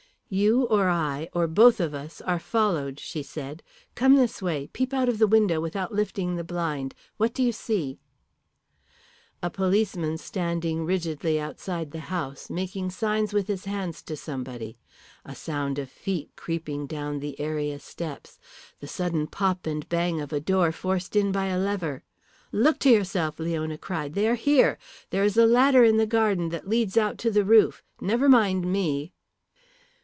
"You or I, or both of us, are followed," she said. "Come this way. Peep out of the window without lifting the blind. What do you see?" A policeman, standing rigidly outside the house, making signs with his hands to somebody. A sound of feet creeping down the area steps, the sudden pop and bang of a door forced in by a lever. "Look to yourself," Leona cried, "they are here. There is a ladder in the garden that leads out to the roof. Never mind me."